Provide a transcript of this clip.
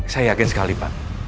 saya yakin sekali pak